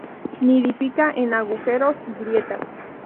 Nidifica en agujeros y grietas.